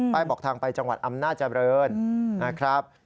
บอกทางไปจังหวัดอำนาจริงนะครับ